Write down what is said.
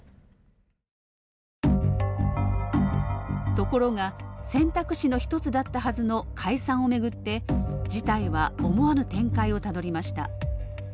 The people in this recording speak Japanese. ところが、選択肢の一つだったはずの解散を巡って事態は思わぬ展開をたどりました。